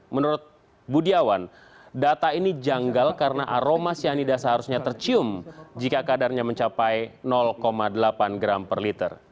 menurut budiawan data ini janggal karena aroma cyanida seharusnya tercium jika kadarnya mencapai delapan gram per liter